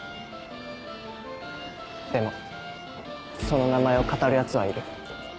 でもその名前をかたるヤツはいる。